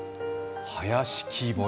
林木森。